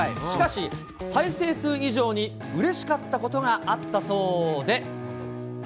しかし、再生数以上にうれしかったことがあったそうで。